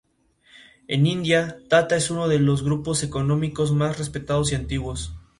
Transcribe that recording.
En India, Tata es uno de los grupos económicos más respetados y antiguos.